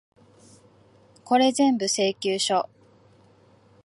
これぜんぶ、請求書。